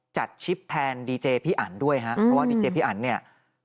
ชิปแทนดีเจพี่อันด้วยฮะเพราะว่าดีเจพี่อันเนี่ย